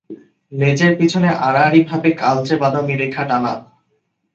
লেজের পিছনে আড়াআড়িভাবে কালচে-বাদামি রেখা টানা।